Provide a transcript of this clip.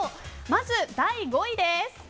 まず第５位です。